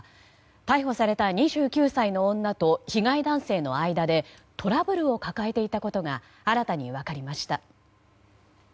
逮捕された２９歳の女と被害男性の間でトラブルを抱えていたことが新たに分かりました。